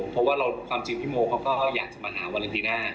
เพราะว่าความจริงพี่โมเขาก็อยากจะมาหาวาเลนทีหน้า